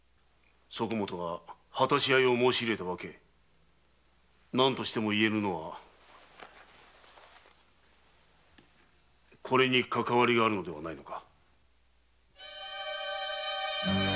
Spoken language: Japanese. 其許が果たし合いを申し入れた訳何としても言えぬのはこれにかかわりがあるのではないのか？